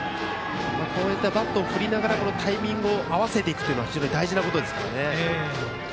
バットを振りながらタイミングを合わせていくことが非常に大事なことですから。